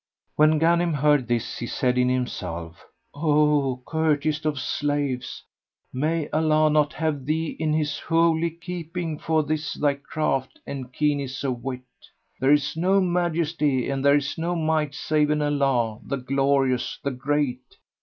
When Ghanim heard this, he said in himself, "O curstest of slaves! May Allah not have thee in His holy keeping for this thy craft and keenness of wit! There is no Majesty and there is no Might save in Allah, the Glorious, the Great!